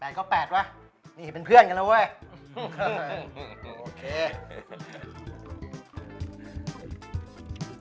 อะ๘ก็๘วะนี่เป็นเพื่อนกันแล้วเว้ย